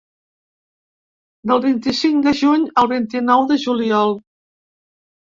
Del vint-i-cinc de juny al vint-i-nou de juliol.